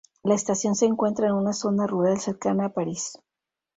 La estación se encuentra en una zona rural cercana a París.